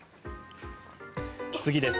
次です。